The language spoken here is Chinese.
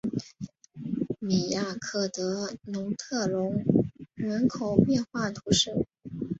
米亚克德农特龙人口变化图示